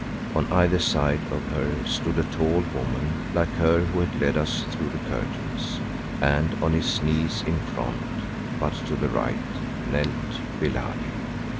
On either side of her stood a tall woman like to her who had led us through the curtains, and on his knees in front, but to the right, knelt Billali.